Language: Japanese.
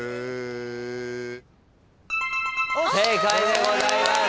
正解でございます。